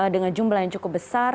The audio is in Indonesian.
dengan jumlah yang cukup besar